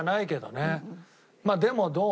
でもどう？